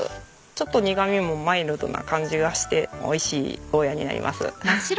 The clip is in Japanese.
ちょっと苦みもマイルドな感じがして美味しいゴーヤーになります。